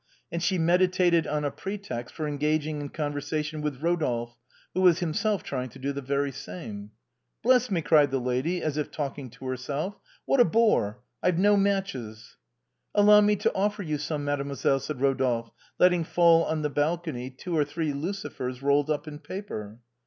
And she meditated on a pretext for engaging in conversation with Rodolphe, who was himself trying to do the very same. " Bless me !" cried the lady, as if talking to herself, " what a bore ! I've no matches !"" Allow me to offer you some, mademoiselle," said Ro 60 THE BOHEMIANS OF THE LATIN QUARTER. dolphe, letting fall on the balcony two or three lucifers rolled up in paper.